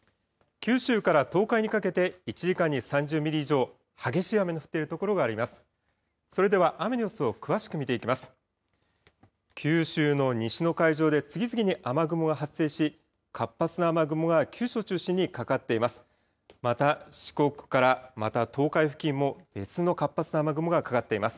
九州の西の海上で次々に雨雲が発生し、活発な雨雲が九州を中心にかかっています。